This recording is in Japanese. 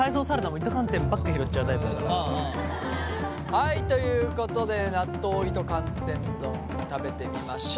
はいということで納豆糸寒天丼食べてみましょう。